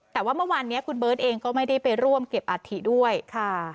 แต่ว่าเมื่อวานนี้คุณเบิร์ตเองก็ไม่ได้ไปร่วมเก็บอัฐิด้วยค่ะ